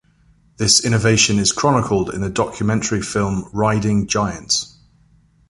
This innovation is chronicled in the documentary film, "Riding Giants".